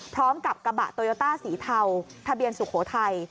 พร้อมกับกระบะโตโยต้าสีเทาทะเบียนสุโขทัย